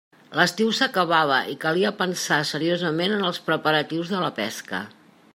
L'estiu s'acabava i calia pensar seriosament en els preparatius de la pesca.